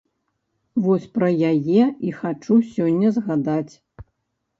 Вось пра яе і хачу сёння згадаць.